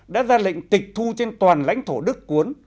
đã ra lệnh tịch thu trên toàn lãnh thổ đức cuốn